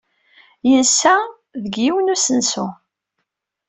Yensa deg yiwen n usensu.